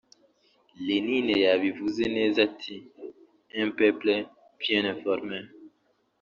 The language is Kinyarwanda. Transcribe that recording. Lenine yabivuze neza ati “un peuple bien informé